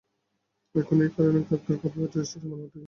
এখন এই কারণে গ্রেফতার করবে, আর রেজিষ্টারে নাম উঠে যাবে।